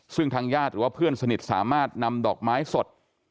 ซึ่งทางญาติหรือว่าเพื่อนสนิทสามารถนำดอกไม้สด